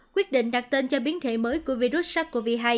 quyết định đặt tên cho biến thể mới của virus sars cov hai